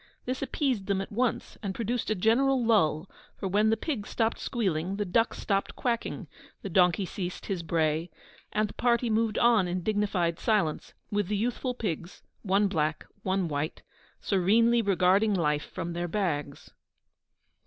This appeased them at once, and produced a general lull; for when the pigs stopped squealing, the ducks stopped quacking, the donkey ceased his bray, and the party moved on in dignified silence, with the youthful pigs, one black, one white, serenely regarding life from their bags.